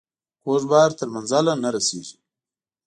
کوږ بار تر منزله نه رسیږي.